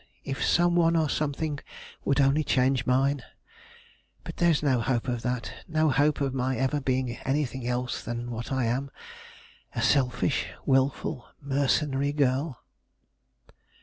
If some one or something would only change mine! But there is no hope of that! no hope of my ever being anything else than what I am: a selfish, wilful, mercenary girl."